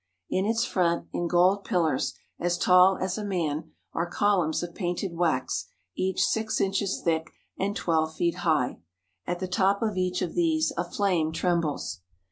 In its front, in gold pillars as tall as a man, are columns of painted wax each six inches thick and twelve feet high. At the top of each of these a flame trembles.